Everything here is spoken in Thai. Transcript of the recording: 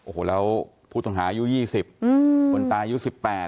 โอ้โหแล้วผู้ทรงหายู่๒๐ผลตายอยู่๑๘